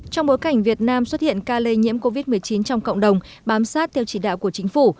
trong bối cảnh việt nam xuất hiện ca lây nhiễm covid một mươi chín trong cộng đồng bám sát theo chỉ đạo của chính phủ